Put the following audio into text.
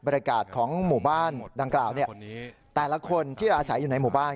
บริการของหมู่บ้านดังกล่าวแต่ละคนที่อาศัยอยู่ในหมู่บ้าน